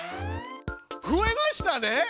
増えましたね！